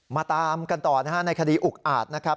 มาตามกันต่อนะฮะในคดีอุกอาจนะครับ